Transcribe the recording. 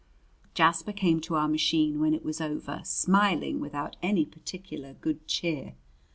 Jasper came to our machine when it was over, smiling without any particular good cheer.